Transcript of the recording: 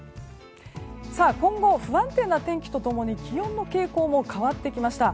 今後、不安定な天気と共に気温の傾向も変わってきました。